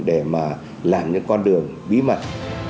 và làm những con đường bí mật